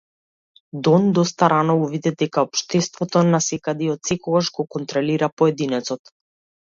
Дон доста рано увиде дека општеството насекаде и отсекогаш го контролира поединецот.